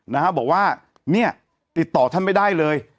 นะฮะบอกว่าเนี่ยติดต่อท่านไม่ได้เลย